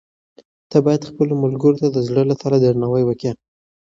ته باید خپلو ملګرو ته د زړه له تله درناوی وکړې.